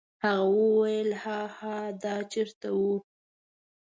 هغه وویل: هاها دا چیرته و؟